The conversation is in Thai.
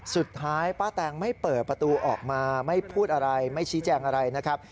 สุดท้ายป้าแตงไม่เปิดประตูออกมาไม่พูดอะไรไม่ชี้แจงอะไรนะครับ